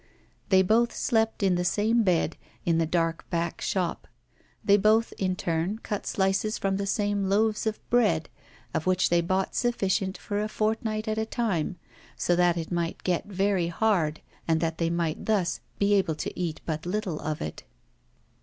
They both slept in the same bed, in the dark back shop; they both in turn cut slices from the same loaves of bread of which they bought sufficient for a fortnight at a time, so that it might get very hard, and that they might thus be able to eat but little of it.